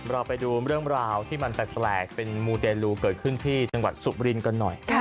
เราไปดูเรื่องราวที่มันแปลกเป็นมูเดลูเกิดขึ้นที่จังหวัดสุบรินกันหน่อย